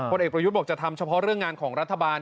เอกประยุทธ์บอกจะทำเฉพาะเรื่องงานของรัฐบาล